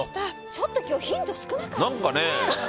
ちょっと今日ヒント少なかったよね。